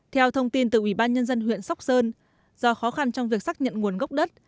theo thông tin từ ủy ban nhân dân huyện sóc sơn do khó khăn trong việc xác nhận nguồn gốc đất